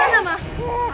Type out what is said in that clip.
susunya apa sama